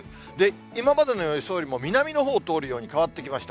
今の予想よりも南のほうを通るように変わってきました。